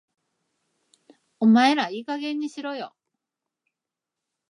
お前らいい加減にしろよ